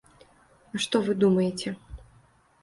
А што вы думаеце.